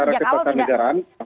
atau intensinya sejak awal tidak